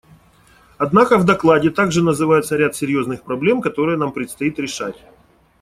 Однако в докладе также называется ряд серьезных проблем, которые нам предстоит решать.